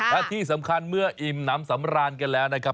และที่สำคัญเมื่ออิ่มน้ำสำราญกันแล้วนะครับ